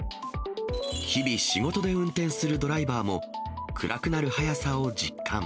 日々仕事で運転するドライバーも、暗くなる早さを実感。